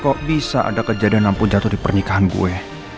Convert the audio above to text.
kok bisa ada kejadian ampun jatuh di pernikahan gue